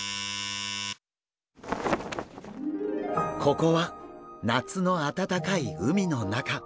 ここは夏のあたたかい海の中。